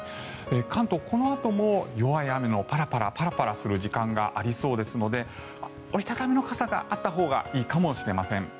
関東、このあとも弱い雨がパラパラする時間がありそうですので折り畳みの傘があったほうがいいかもしれません。